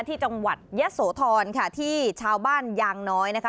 ที่จังหวัดยะโสธรค่ะที่ชาวบ้านยางน้อยนะคะ